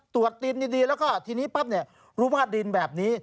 ดินดีแล้วก็ทีนี้ปั๊บเนี่ยรู้ว่าดินแบบนี้